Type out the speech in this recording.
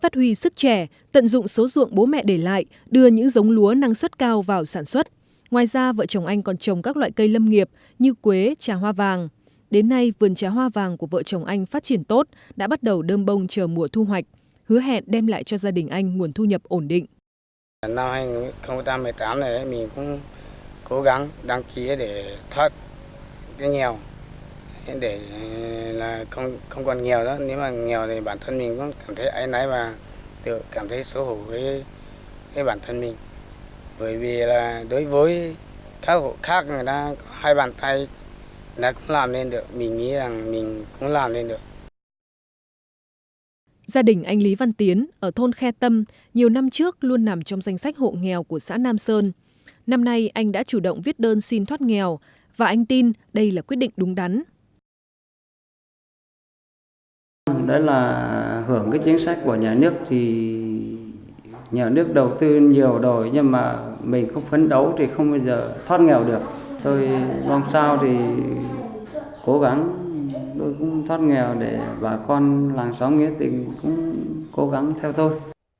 thôi làm sao thì cố gắng tôi cũng thoát nghèo để bà con làng xóm nghĩa tình cũng cố gắng theo thôi